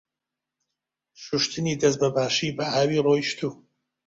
شوشتنی دەست بە باشی بە ئاوی ڕۆیشتوو.